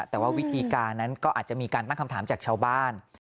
แต่ว่าวิธีการนั้นก็อาจจะมีการตั้งคำถามจากชาวบ้าน